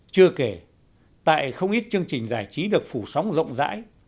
chưa kể tại không ít chương trình giải trí được phủ sóng rộng rãi